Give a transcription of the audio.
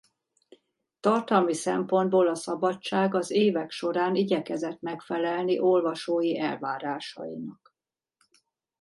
Tartalmi szempontból a Szabadság az évek során igyekezett megfelelni olvasói elvárásainak.